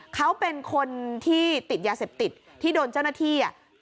เขาเป็นคนที่ติดยาเสพติดที่โดนเจ้าหน้าที่